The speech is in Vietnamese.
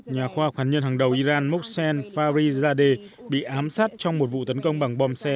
nhà khoa học hạt nhân hàng đầu iran muksen farizade bị ám sát trong một vụ tấn công bằng bom xe